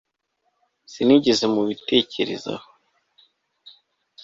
Sinigeze mubitekerezaho